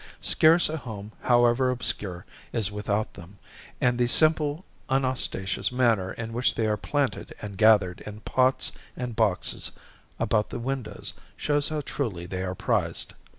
Scarce a home, however obscure, is without them, and the simple, unostentatious manner in which they are planted and gathered in pots and boxes about the windows shows how truly they are prized.